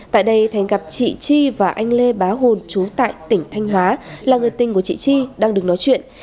tại đây thành gặp chị chi và anh lê bá hồn chú tại tỉnh thanh hóa là người tình của chị chi đang được nói chuyện